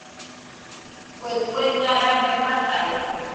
Kue kuega rabe rafarede.